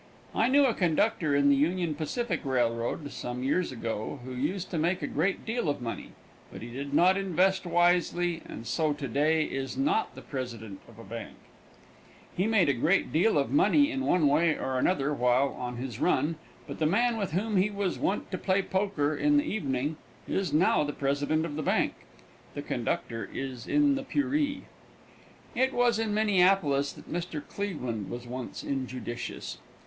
I knew a conductor on the Union Pacific railroad, some years ago, who used to make a great deal of money, but he did not invest wisely, and so to day is not the president of a bank. He made a great deal of money in one way or another while on his run, but the man with whom he was wont to play poker in the evening is now the president of the bank. The conductor is in the purée. It was in Minneapolis that Mr. Cleveland was once injudicious.